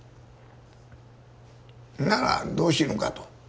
ならどう死ぬかと。